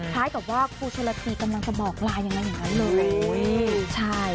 คล้ายกับว่าครูชนละทีกำลังจะบอกลานอย่างนั้นอย่างนั้นเลยใช่